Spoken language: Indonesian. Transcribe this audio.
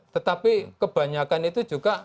tetapi kebanyakan itu juga